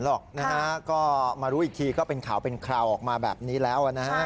ไม่เห็นน่ะก็มาดูอีกทีก็เป็นข่าวเป็นคราวออกมาแบบนี้แล้ว